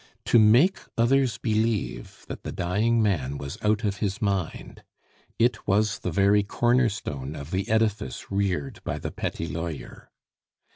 To make others believe that the dying man was out of his mind it was the very corner stone of the edifice reared by the petty lawyer.